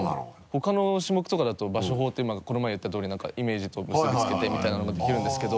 他の種目とかだと場所法ってこの前やった通り何かイメージと結びつけてみたいなのができるんですけど。